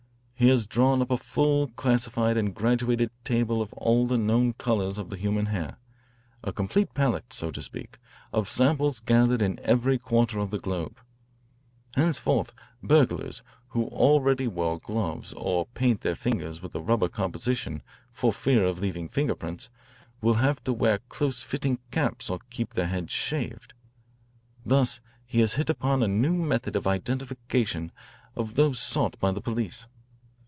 He has drawn up a full, classified, and graduated table of all the known colours of the human hair, a complete palette, so to speak, of samples gathered in every quarter of the globe. Henceforth burglars, who already wear gloves or paint their fingers with a rubber composition for fear of leaving finger prints, will have to wear close fitting caps or keep their heads shaved. Thus he has hit upon a new method of identification of those sought by the police.